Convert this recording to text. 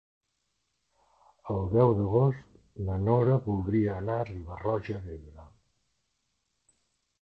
El deu d'agost na Nora voldria anar a Riba-roja d'Ebre.